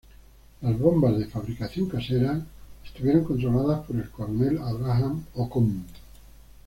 Las bombas de fabricación casera estuvieron controladas por el Coronel Abraham Ocón.